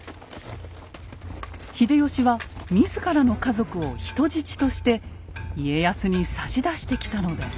秀吉は自らの家族を人質として家康に差し出してきたのです。